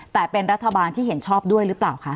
แต่เป็นรัฐบาลที่เห็นชอบด้วยหรือเปล่าคะ